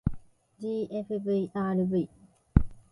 ｇｆｖｒｖ